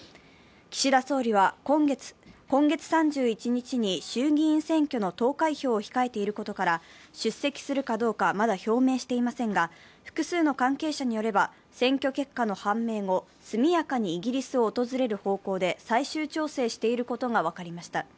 岸田総理は今月３１日に衆議院選挙の投開票を控えていることから出席するかどうか、まだ表明していませんが、複数の関係者によれば選挙結果の判明後、速やかにイギリスを訪れる方向で最終調整していることが分かりました。